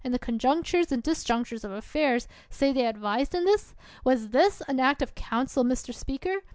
44 ELIOT conjunctures and dis junctures of affairs, say they advised in this ? Was this an act of council, Mr: Speaker